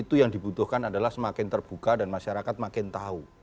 itu yang dibutuhkan adalah semakin terbuka dan masyarakat makin tahu